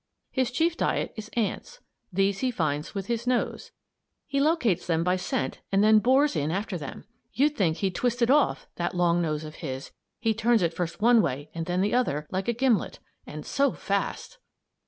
His chief diet is ants. These he finds with his nose. He locates them by scent and then bores in after them. You'd think he'd twist it off, that long nose of his; he turns it first one way and then the other, like a gimlet. And so fast!